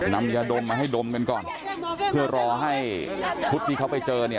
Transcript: นำยาดมมาให้ดมกันก่อน